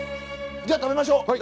じゃあ食べましょう！